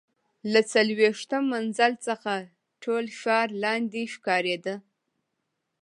له څلوېښتم منزل څخه ټول ښار لاندې ښکارېده.